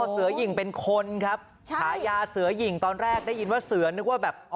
เสือหญิงเป็นคนครับฉายาเสือหญิงตอนแรกได้ยินว่าเสือนึกว่าแบบ